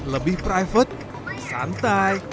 lebih private santai